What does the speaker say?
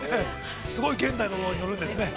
◆すごい現代のものに乗るんですね。